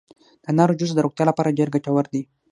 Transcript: د انارو جوس د روغتیا لپاره ډیر ګټور دي.